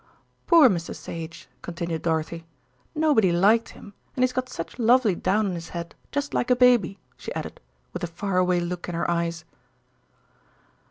"Poor Mr. Sage," continued Dorothy, "nobody liked him, and he's got such lovely down on his head, just like a baby," she added, with a far away look in her eyes.